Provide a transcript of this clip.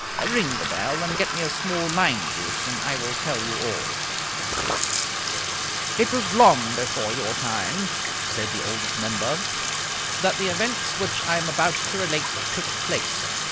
Ring the bell and get me a small lime juice, and I will tell you all." It was long before your time (said the Oldest Member) that the events which I am about to relate took place.